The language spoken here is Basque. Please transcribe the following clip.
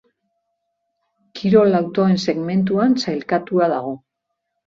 Kirol autoen segmentuan sailkatua dago.